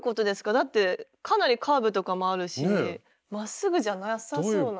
だってかなりカーブとかもあるしまっすぐじゃなさそうな。